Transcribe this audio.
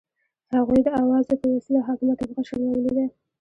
هغوی د اوازو په وسیله حاکمه طبقه شرمولي ده.